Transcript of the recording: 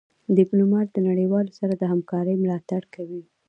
ډيپلومات د نړېوالو سره د همکارۍ ملاتړ کوي.